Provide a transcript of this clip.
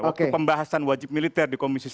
waktu pembahasan wajib militer di komisi satu